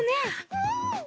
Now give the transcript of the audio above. うん！